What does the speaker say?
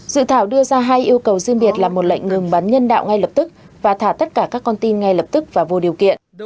dự thảo đưa ra hai yêu cầu riêng biệt là một lệnh ngừng bắn nhân đạo ngay lập tức và thả tất cả các con tin ngay lập tức và vô điều kiện